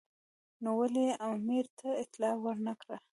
نو ولې یې امیر ته اطلاع ور نه کړه.